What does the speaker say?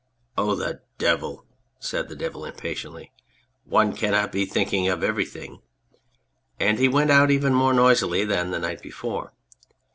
" Oh, the devil !" said the Devil impatiently, " one cannot be thinking of everything !" And he went out even more noisily than the night before.